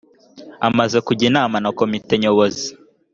amaze kujya inama na komite nyobozi